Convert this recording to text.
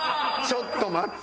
ちょっと待って。